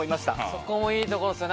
そこもいいところですよね